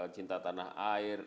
cinta tanah air